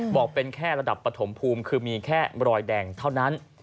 บอกเป็นแค่ระดับปฐมภูมิคือมีแค่รอยแดงเท่านั้น